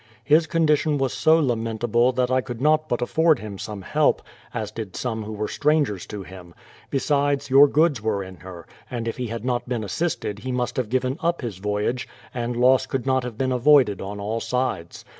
His condition was so lamentable that I could not but aiford him some help, as did some who were strangers to him ; besides, your goods were in her, and if he had not been assisted he must have given up his voyage, and loss could not have been avoided on all sides.